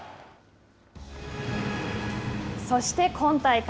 そして、今大会。